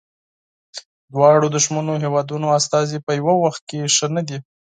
دواړو دښمنو هیوادونو استازي په یوه وخت کې ښه نه دي.